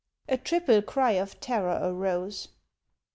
A triple cry of terror arose.